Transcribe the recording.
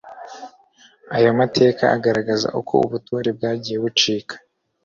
aya mateka agaragaza uko ubutore bwagiye bucika